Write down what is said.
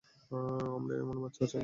আমরা এমন বাচ্চা চাইনি, ভানু।